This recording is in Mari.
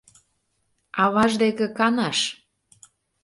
Аваж деке канаш